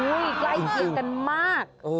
อุ๊ยใกล้เกียรติกันมาก